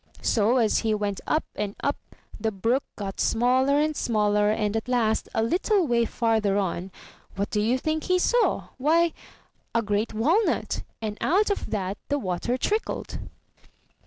So, as he went up and up, the brook got smaller and smaller, and at last, a little way farther on, what do you think he saw? Why, a great walnut, and out of that the water trickled.